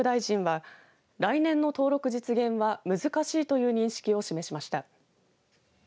末松文部科学大臣は来年の登録実現は難しいという認識を示しました。